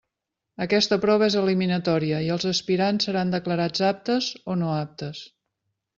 Aquesta prova és eliminatòria i els aspirants seran declarats aptes o no aptes.